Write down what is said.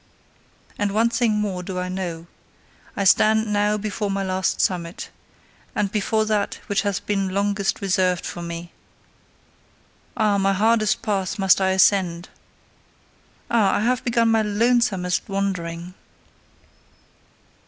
And one thing more do I know: I stand now before my last summit, and before that which hath been longest reserved for me. Ah, my hardest path must I ascend! Ah, I have begun my lonesomest wandering!